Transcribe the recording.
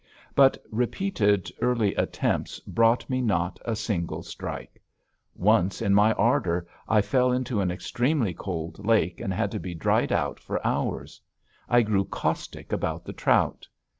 But repeated early attempts brought me not a single strike. Once in my ardor I fell into an extremely cold lake and had to be dried out for hours. I grew caustic about the trout.